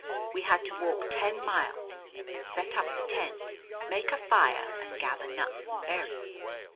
We had to walk ten miles, set up the tent, make a fire and gather nuts and berries.